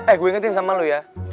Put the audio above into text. eh gue ingetin sama lo ya